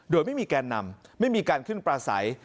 โดยไม่มีแกนนำไม่มีการขึ้นปลาใส